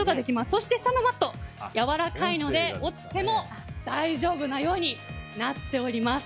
そして下のマットやわらかいので落ちても大丈夫なようになっております。